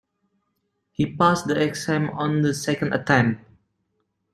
He passed the exam on the second attempt